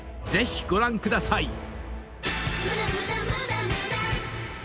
ぜひご覧ください］